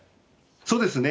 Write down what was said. そうですね。